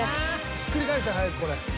ひっくり返せ早くこれ。